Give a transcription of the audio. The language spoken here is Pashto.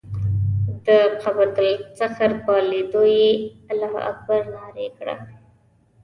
د قبة الصخره په لیدو یې الله اکبر نارې کړه.